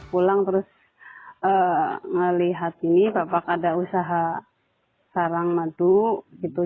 pulang terus melihat ini bapak ada usaha sarang madu gitu